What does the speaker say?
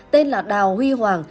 tên là đào huy hoàng